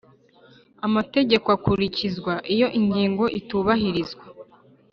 Amategeko akurikizwa iyo ingingo utubahirizwa